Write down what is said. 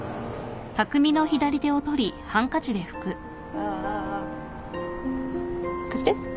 あーあー貸して。